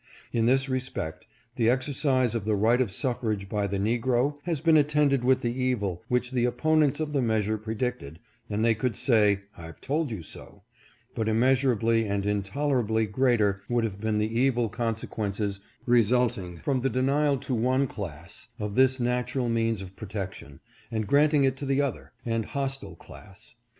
In this respect the exercise of the right of suffrage by the negro has been attended with the evil, which the opponents of the measure predicted, and they could say " I've told you so," but immeasurably and intolerably greater would have been the evil consequences resulting from the denial to one class of this natural means of protection, and grant ing it to the other, and hostile class.